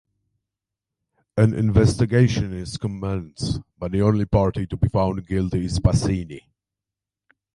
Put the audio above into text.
An investigation is commenced, but the only party to be found guilty is Basini.